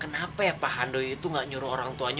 kenapa ya pak hando itu gak nyuruh orang tuanya